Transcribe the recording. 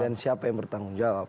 dan siapa yang bertanggung jawab